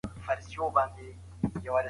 که والدين پام وکړي نو اولادونه یې ښه روزل کیږي.